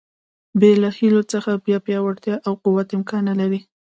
بې له هیلو څخه بیا پیاوړتیا او قوت امکان نه لري.